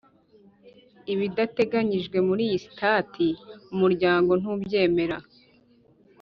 Ku bidateganijwe muri iyi sitati umuryango ntubyemera